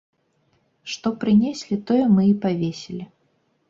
Што прынеслі, тое мы і павесілі.